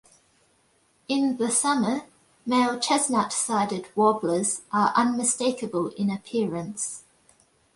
In the summer, male chestnut-sided warblers are unmistakable in appearance.